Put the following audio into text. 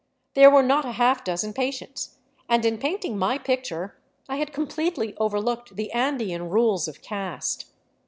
There were not a half dozen patients, and in painting my picture I had completely overlooked the Andean rules of caste.